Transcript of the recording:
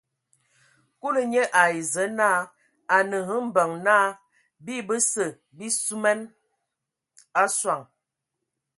Kulu nye ai Zǝə naa: A nǝ hm mbeŋ naa bii bəse bii suman a soŋ.